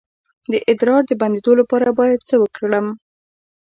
د ادرار د بندیدو لپاره باید څه وکړم؟